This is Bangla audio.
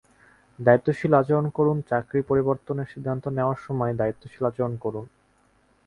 দায়িত্বশীল আচরণ করুন চাকরি পরিবর্তনের সিদ্ধান্ত নেওয়ার সময় দায়িত্বশীল আচরণ করুন।